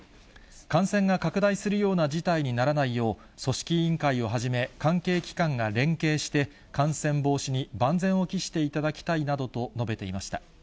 感染が拡大するような事態にならないよう、組織委員会をはじめ、関係機関が連携して、感染防止に万全を期していただきたいなどと述べていました。